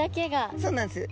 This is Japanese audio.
そうなんです。